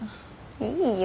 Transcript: いいよ。